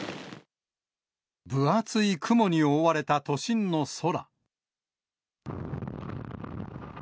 分厚い雲に覆われた都心の空。